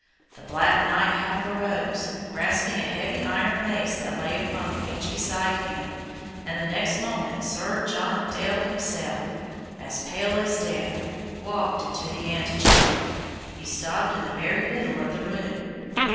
The black knight half arose, grasping a heavy iron mace that lay upon the bench beside him, and the next moment Sir John Dale himself, as pale as death, walked into the antechamber. He stopped in the very middle of the room.